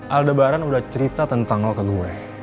aldebaran udah cerita tentang lo ke gue